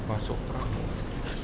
bukan ke pes